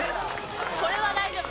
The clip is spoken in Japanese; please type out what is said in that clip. これは大丈夫。